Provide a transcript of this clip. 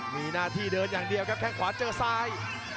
มีหน้าที่เดินอย่างเดียวครับแค่งขวาเจอซ้าย